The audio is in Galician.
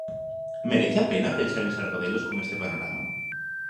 Merece a pena pensar en Sargadelos con este panorama?